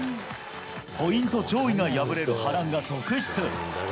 ポイント上位が敗れる波乱が続出。